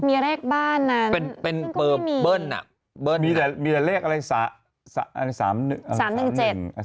มีแรกบ้านน่ะเป็นเปิ้ลเปิ้ลน่ะมีแต่มีแต่เลขอะไรสาสามสามหนึ่งสามหนึ่งเจ็ด